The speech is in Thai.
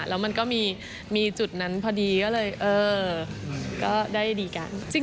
แล้วมันก็มีจุดนั้นพอดีก็เลยเออก็ได้ดีกัน